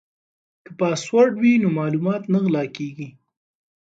که پاسورډ وي نو معلومات نه غلا کیږي.